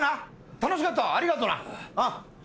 楽しかったわありがとな。